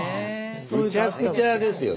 むちゃくちゃですよね。